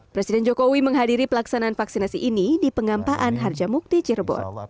presiden jokowi menghadiri pelaksanaan vaksinasi ini di pengampaan harjamukti cirebon